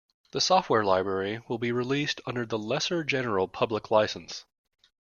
The software library will be released under the Lesser General Public License.